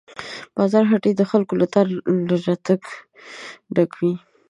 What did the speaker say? د بازار هټۍ د خلکو له تګ راتګ ډکې وې.